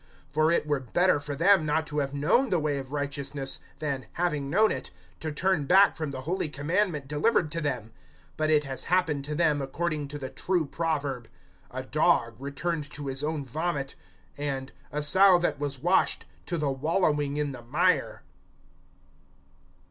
(21)For it were better for them not to have known the way of righteousness, than, having known it, to turn back from the holy commandment delivered to them. (22)But it has happened to them according to the true proverb: A dog, returned to his own vomit; and, A sow that was washed, to the wallowing in the mire.